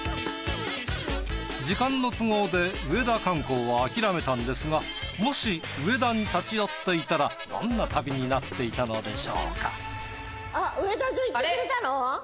時間の都合で上田観光は諦めたんですがもし上田に立ち寄っていたらどんな旅になっていたのでしょうか。